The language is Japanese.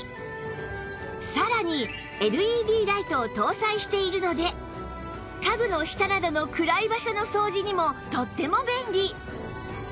さらに ＬＥＤ ライトを搭載しているので家具の下などの暗い場所の掃除にもとっても便利